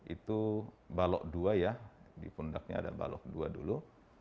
itu balok dua ya di pundaknya ada balok dua dulu